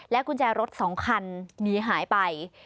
กุญแจรถ๒คันหนีหายไป